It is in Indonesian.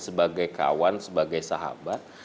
sebagai kawan sebagai sahabat